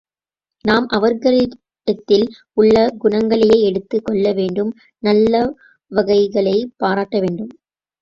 நாம் அவர்களிடத்தில் உள்ள குணங்களையே எடுத்துக் கொள்ள வேண்டும் நல்லவைகளைப் பாராட்ட வேண்டும்.